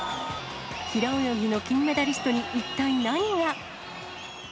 平泳ぎの金メダリストに、一体何が？